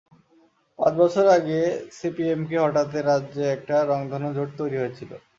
পাঁচ বছর আগে সিপিএমকে হঠাতে রাজ্যে একটা রংধনু জোট তৈরি হয়েছিল।